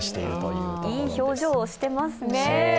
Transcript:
いい表情をしていますね。